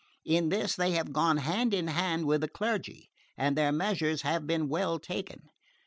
In this they have gone hand in hand with the clergy, and their measures have been well taken.